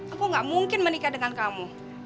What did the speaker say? aku gak mungkin menikah dengan kamu